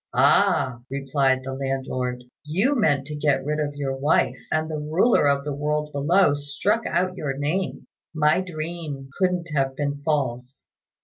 "Ah," replied the landlord, "you meant to get rid of your wife, and the Ruler of the world below struck out your name. My dream couldn't have been false."